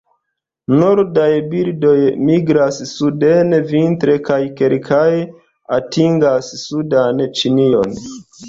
Nordaj birdoj migras suden vintre kaj kelkaj atingas sudan Ĉinion.